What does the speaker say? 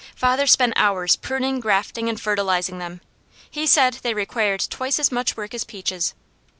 Father spent hours pruning, grafting, and fertilizing them. He said they required twice as much work as peaches.